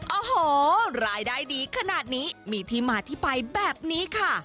โอ้โหรายได้ดีขนาดนี้มีที่มาที่ไปแบบนี้ค่ะ